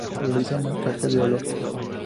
Realiza marcaje de olor.